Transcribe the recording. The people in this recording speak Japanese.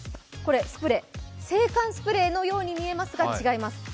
スプレー、制汗スプレーのように見えますが、違います。